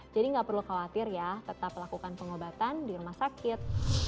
jadi gak perlu khawatir ya tetap lakukan pengobatan di rumah sakit